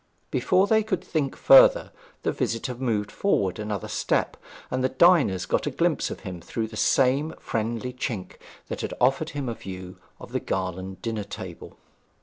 Before they could think further the visitor moved forward another step, and the diners got a glimpse of him through the same friendly chink that had afforded him a view of the Garland dinner table.